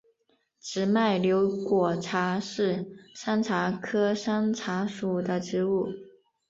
直脉瘤果茶是山茶科山茶属的植物。